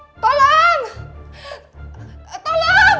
kenapa dia cepet sekali pulang